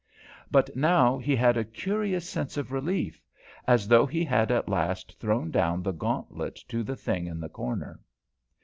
But now he had a curious sense of relief, as though he had at last thrown down the gauntlet to the thing in the corner.